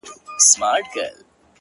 شرجلال مي ته’ په خپل جمال کي کړې بدل’